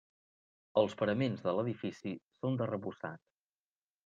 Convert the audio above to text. Els paraments de l'edifici són d'arrebossat.